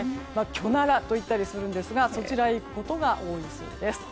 キョナラと言ったりしますがそちらへ行くことが多いそうです。